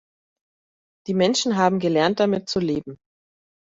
Die Menschen haben gelernt, damit zu leben.